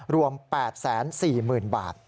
รวม๘๔๐๐๐บาท